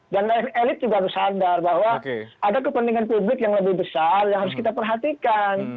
dan elit juga harus sadar bahwa ada kepentingan publik yang lebih besar yang harus kita perhatikan